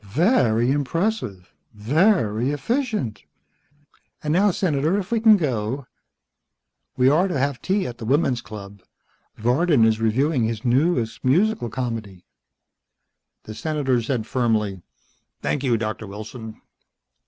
"Very impressive. Very efficient. And now, Senator, if we can go. We are to have tea at the women's club. Varden is reviewing his newest musical comedy." The Senator said firmly, "Thank you, Doctor Wilson."